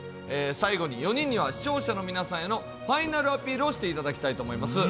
最後に４人には視聴者の皆さんへのファイナルアピールをしていただきたいと思います。